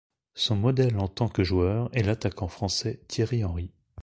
Son modèle en tant que joueur est l'attaquant français Thierry Henry.